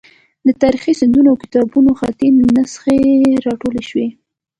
د تاریخي سندونو او کتابونو خطي نسخې راټولې شوې.